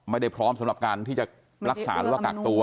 ไม่ได้พร้อมสำหรับการที่จะรักษาหรือว่ากักตัว